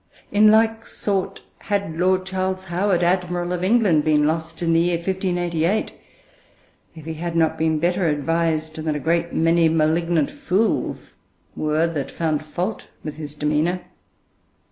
In like sort had Lord Charles Howard, Admiral of England, been lost in the year 1588, if he had not been better advised than a great many malignant fools were that found fault with his demeanour.